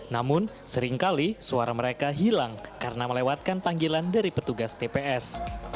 namun seringkali suara mereka hilang karena melewatkan panggilan dari petugas tps